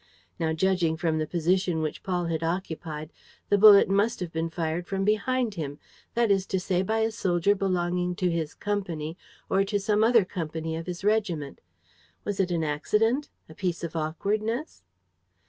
Now, judging from the position which Paul had occupied, the bullet must have been fired from behind him; that is to say, by a soldier belonging to his company or to some other company of his regiment. Was it an accident? A piece of awkwardness?